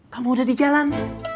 kamu udah di jalan